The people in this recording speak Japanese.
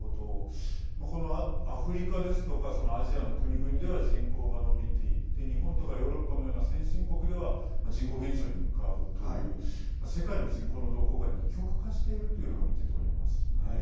このアフリカですとかアジアの国々では人口が伸びていて、日本とかヨーロッパのような先進国では人口減少に向かうという世界の人口の動向が二極化しているというのが見て取れますね。